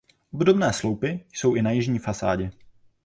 Obdobné sloupy jsou i na jižní fasádě.